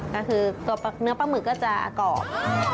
ก็คือตัวเนื้อปลาหมึกก็จะกรอบ